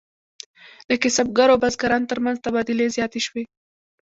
د کسبګرو او بزګرانو ترمنځ تبادلې زیاتې شوې.